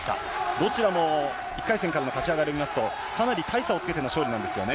どちらも１回戦からの勝ち上がりを見ますと、かなり大差をつけての勝利なんですよね。